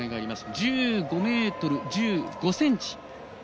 １５ｍ１５ｃｍ。